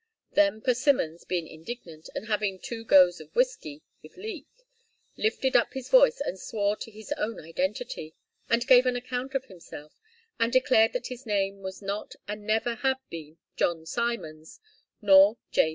Then Persimmons, being indignant, and having had two goes of whiskey with Leek, lifted up his voice, and swore to his own identity, and gave an account of himself, and declared that his name was not and never had been John Simons, nor J.